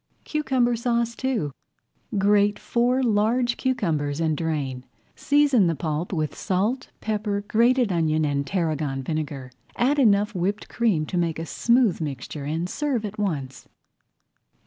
CUCUMBER SAUCE II Grate four large cucumbers and drain. Season the pulp with salt, pepper, grated onion, and tarragon vinegar. Add enough whipped cream to make a smooth mixture and serve at once.